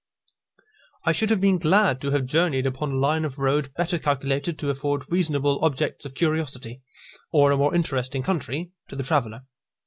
I should have been glad to have journeyed upon a line of road better calculated to afford reasonable objects of curiosity, or a more interesting country, to the traveller.